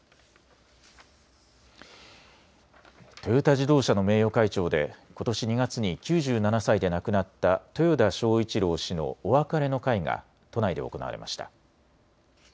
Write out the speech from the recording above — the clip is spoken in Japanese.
トヨタ自動車の名誉会長でことし２月に９７歳で亡くなった豊田章一郎氏のお別れの会が都内で行われました。